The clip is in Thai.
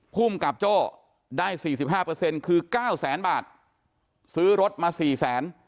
ผู้กับโจ้ได้สี่สิบห้าเปอร์เซ็นต์คือเก้าแสนบาทซื้อรถมาสี่แสน